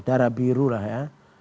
darah biru lah ya